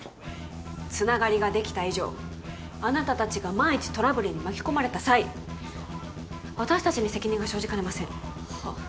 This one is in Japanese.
つながりができた以上あなた達が万一トラブルに巻き込まれた際私達に責任が生じかねませんはあ？